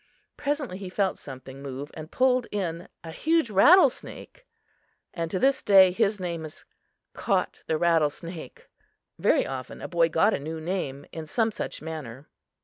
Presently he felt something move and pulled in a huge rattlesnake; and to this day, his name is "Caught the Rattlesnake." Very often a boy got a new name in some such manner.